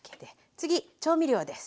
次調味料です。